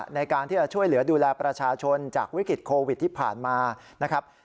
ในการที่จะช่วยเหลือดูแลประชาชนจากวิกฤตโควิดที่ผ่านมานะครับ